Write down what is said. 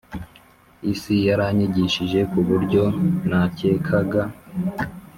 isi yaranyigishije kuburyo nakekaga